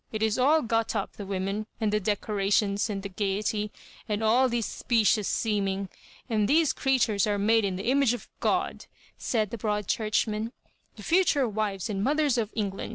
It is all got up, the women,. and the decorations, and t'le gaiety, and all this specious seeming. And these are creatures made in the image of God I" said the Broad Churchman — "the future wives ^and mothers of England.